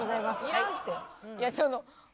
いらんって。